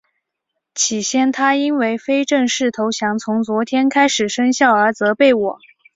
起先他因为非正式投降从昨天开始生效而责备我。